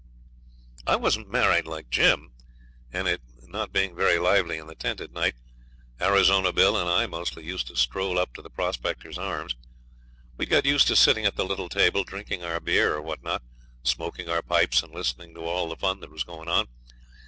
I wasn't married like Jim, and it not being very lively in the tent at night, Arizona Bill and I mostly used to stroll up to the Prospectors' Arms. We'd got used to sitting at the little table, drinking our beer or what not, smoking our pipes and listening to all the fun that was going on.